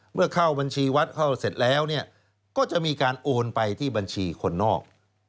เข้าบัญชีวัดเข้าเสร็จแล้วก็จะมีการโอนไปที่บัญชีคนนอก